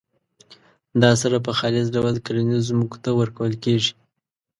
دا سره په خالص ډول کرنیزو ځمکو ته ورکول کیږي.